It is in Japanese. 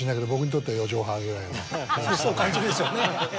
そう感じるでしょうね。